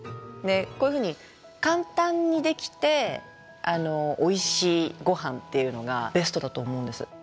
こういうふうに簡単にできておいしいごはんっていうのがベストだと思うんです。